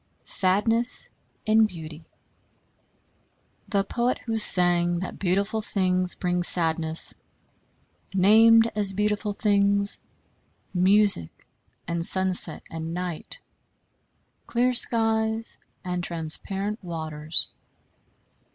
Sadness in Beauty The poet who sang that beautiful things bring sadness, named as beautiful things music and sunset and night, clear skies and transparent waters.